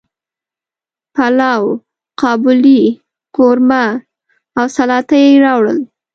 پلاو، قابلی، قورمه او سلاطه یی راوړل